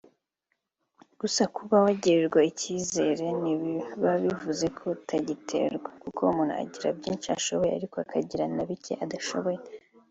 Gusa kuba wagiriwe icyizere ntibiba bivuze ko utagitererwa kuko umuntu agira byinshi ashoboye ariko akagira na bike adashoboye